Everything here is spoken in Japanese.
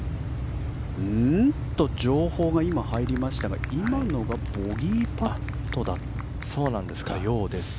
情報が入りましたが今のがボギーパットだったようです。